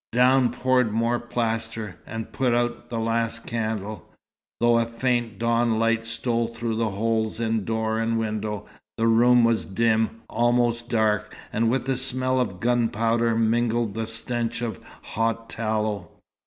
Down poured more plaster, and put out the last candle. Though a faint dawn light stole through the holes in door and window, the room was dim, almost dark, and with the smell of gunpowder mingled the stench of hot tallow.